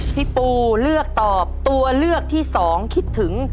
พี่ปูเลือกตอบตัวเลือกที่๒คิดถึง